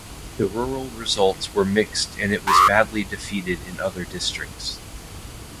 The rural results were mixed and it was badly defeated in other districts.